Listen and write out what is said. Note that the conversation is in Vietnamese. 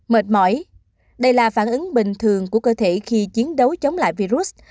mệt mỏi đây là phản ứng bình thường của cơ thể khi chiến đấu chống lại virus